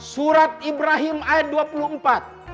surat ibrahim ayat dua puluh empat